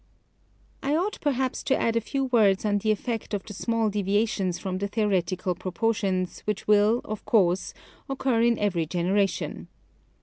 I ought perhaps to add a few words on the effect of the small deviations from the theoretical proportions which will, of course, occur in every generation.